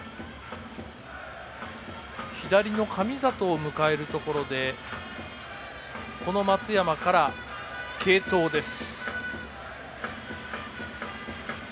左の神里を迎えるところでこの松山から継投です。